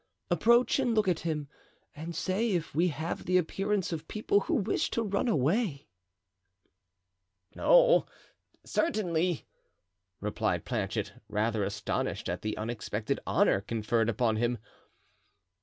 Approach and look at him and say if we have the appearance of people who wish to run away." "No, certainly," replied Planchet, rather astonished at the unexpected honor conferred upon him.